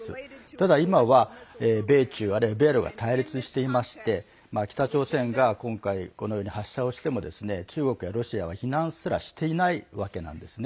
ただ今は、米中あるいは米ロが対立していまして北朝鮮が今回このように発射をしても中国やロシアは非難すらしていないわけなんですね。